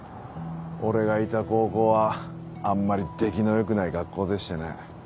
俺がいた高校はあんまり出来の良くない学校でしてね